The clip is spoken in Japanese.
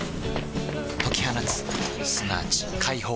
解き放つすなわち解放